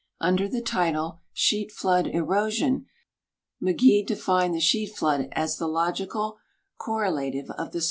Under the title " Sheetflood Erosion," McGee defined the sheetflood as the logical correlative of the